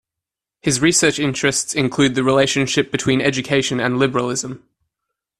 His research interests include the relationship between education and liberalism.